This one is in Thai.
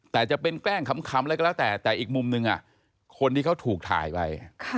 แต่จะเป็นแกล้งขำอะไรก็แล้วแต่แต่อีกมุมหนึ่งคนที่เขาถูกถ่ายไป